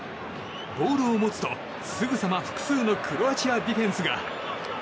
ボールを持つと、すぐさま複数のクロアチアディフェンスが。